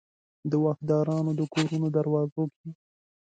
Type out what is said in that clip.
د واکدارانو د کورونو دروازو کې